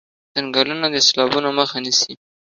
ځنګلونه د سېلابونو مخه نيسي.